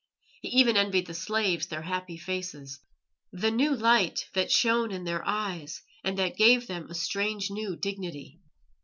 He even envied the slaves their happy faces, the new light that shone in their eyes and that gave them a strange new dignity.